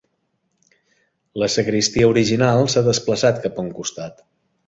La sagristia original s'ha desplaçat cap a un costat.